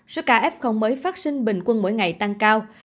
số ca f mới phát sinh bình quân mỗi ngày tăng cao